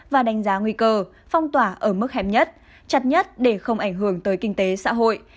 và đánh giá nguy cơ phong tỏa ở mức hẹp nhất chặt nhất để không ảnh hưởng tới kinh tế xã hội